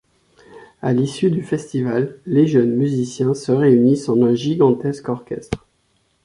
À l'issue du festival, les jeunes musiciens se réunissent en un gigantesque orchestre.